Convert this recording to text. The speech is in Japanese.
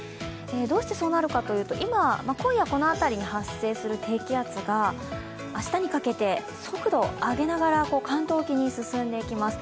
どうしてそうなるかというと今、今夜この辺りに発生する低気圧が明日にかけて速度を上げながら関東沖に進んでいきます。